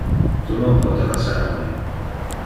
Tu non pote lassar me.